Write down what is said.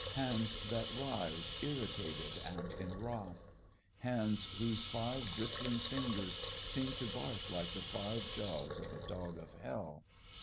Hands that rise, irritated and in wrath; hands whose five bristling fingers seem to bark like the five jaws of a dog of Hell.